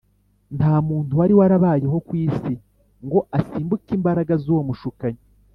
Nta muntu wari warabayeho ku isi ngo asimbuke imbaraga z’uwo mushukanyi